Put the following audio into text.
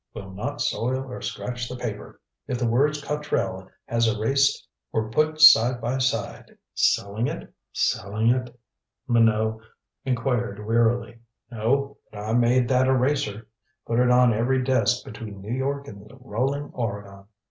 Will not soil or scratch the paper. If the words Cotrell has erased were put side by side " "Selling it?" Minot inquired wearily. "No. But I made that eraser. Put it on every desk between New York and the rolling Oregon.